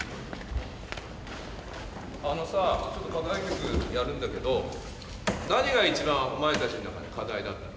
あのさ課題曲やるんだけど何が一番お前たちの中で課題だったの？